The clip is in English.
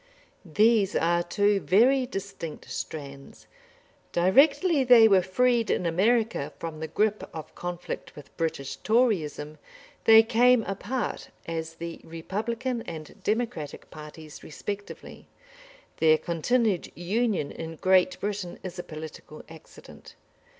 These are two very distinct strands. Directly they were freed in America from the grip of conflict with British Toryism, they came apart as the Republican and Democratic parties respectively. Their continued union in Great Britain is a political accident.